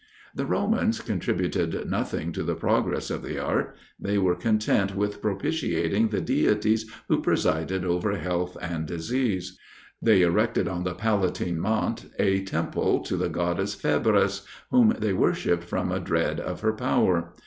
The Romans contributed nothing to the progress of the art: they were content with propitiating the Deities who presided over health and disease. They erected on the Palatine Mount a temple to the goddess Febris, whom they worshipped from a dread of her power.